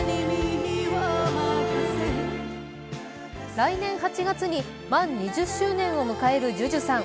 来年８月に満２０周年を迎えるＪＵＪＵさん。